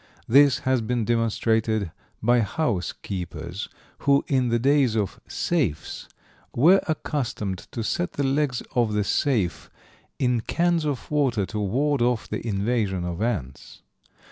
This has been demonstrated by housekeepers, who in the days of "safes" were accustomed to set the legs of the safe in cans of water to ward off the invasion of ants.